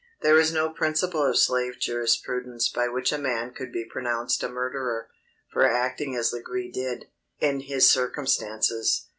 There is no principle of slave jurisprudence by which a man could be pronounced a murderer, for acting as Legree did, in his circumstances.